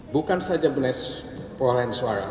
bukan saja mengenai perolahan suara